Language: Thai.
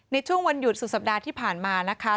ในช่วงวันหยุดสุดสัปดาห์ที่ผ่านมานะคะ